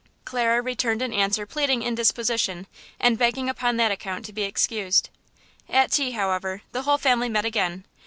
Clara returned an answer pleading indisposition, and begging upon that account to be excused. At tea, however, the whole family met again.